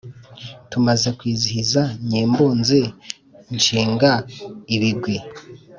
Tumaze kwizihira Nyimbunzi, nshinga ibigwi,